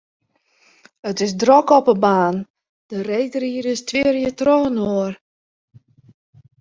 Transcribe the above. It is drok op 'e baan, de reedriders twirje trochinoar.